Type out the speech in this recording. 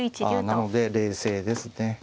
あなので冷静ですね。